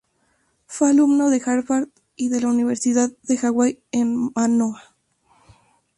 Fue alumno de Harvard y de la Universidad de Hawaii en Manoa.